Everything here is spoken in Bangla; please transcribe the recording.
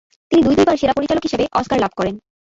তিনি দুই দুইবার সেরা পরিচালক হিসেবে অস্কার লাভ করেন।